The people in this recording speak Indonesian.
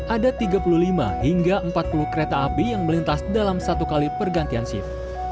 ada tiga puluh lima hingga empat puluh kereta api yang melintas dalam satu kali pergantian shift